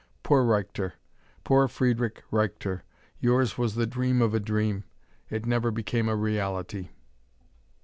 Poor Reichter! Poor Friedrich Reichter! yours was the dream of a dream; it never became a reality!